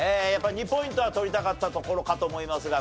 ２ポイントは取りたかったところかと思いますが。